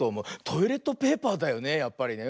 トイレットペーパーだよねやっぱりね。